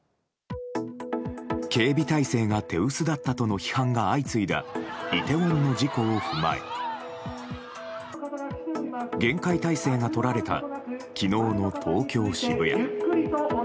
警備態勢が手薄だったとの批判が相次いだイテウォンの事故を踏まえ厳戒態勢がとられた昨日の東京・渋谷。